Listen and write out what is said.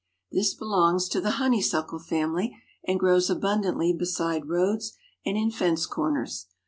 This belongs to the Honeysuckle family and grows abundantly beside roads and in fence corners.